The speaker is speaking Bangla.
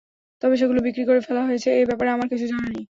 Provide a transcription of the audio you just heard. তবে সেগুলো বিক্রি করে ফেলা হয়েছে—এ ব্যাপারে আমার কিছু জানা নেই।